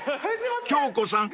［京子さん